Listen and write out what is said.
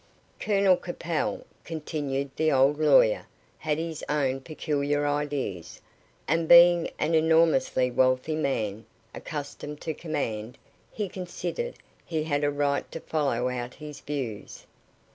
"Colonel Capel," continued the old lawyer, "had his own peculiar ideas, and being an enormously wealthy man, accustomed to command, he considered he had a right to follow out his views.